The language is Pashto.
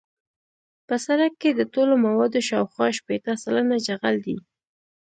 په سرک کې د ټولو موادو شاوخوا شپیته سلنه جغل دی